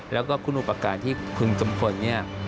แล้วก็คุณอุปกรณ์ที่คุณกำพลนี้